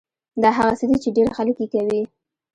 دا هغه څه دي چې ډېر خلک يې کوي.